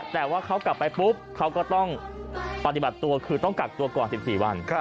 แต่ว่าเขากลับไปปุ๊บเขาก็ต้องปฏิบัติตัวคือต้องกักตัวก่อน๑๔วัน